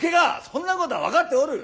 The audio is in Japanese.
そんな事は分かっておる。